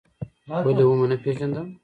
ولې و مو نه پېژندم؟